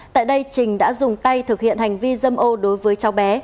tại đây trình đã dùng tay thực hiện hành vi dâm ô đối với cháu bé